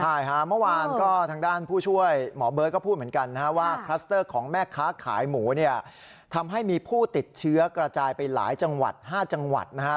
ใช่ค่ะเมื่อวานก็ทางด้านผู้ช่วยหมอเบิร์ตก็พูดเหมือนกันนะฮะว่าคลัสเตอร์ของแม่ค้าขายหมูเนี่ยทำให้มีผู้ติดเชื้อกระจายไปหลายจังหวัด๕จังหวัดนะฮะ